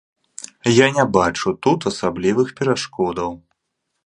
Я не бачу тут асаблівых перашкодаў.